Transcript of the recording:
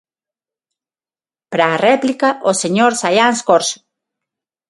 Para a réplica, o señor Saiáns Corzo.